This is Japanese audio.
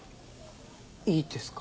いいですか？